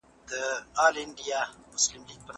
له ستوني د لر او بر یو افغان چیغه را وزي